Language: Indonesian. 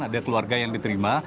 ada keluarga yang diterima